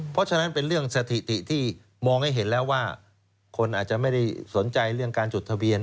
เพราะฉะนั้นเป็นเรื่องสถิติที่มองให้เห็นแล้วว่าคนอาจจะไม่ได้สนใจเรื่องการจดทะเบียน